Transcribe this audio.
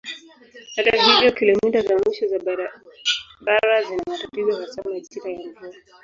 Hata hivyo kilomita za mwisho za barabara zina matatizo hasa majira ya mvua.